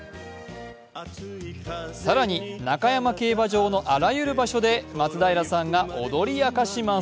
更に中山競馬場のあらゆる場所で松平健さんが踊り明かします。